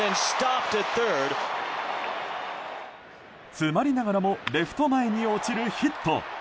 詰まりながらもレフト前に落ちるヒット。